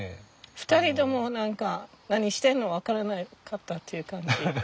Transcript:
２人とも何か何してんの分からなかったっていう感じ。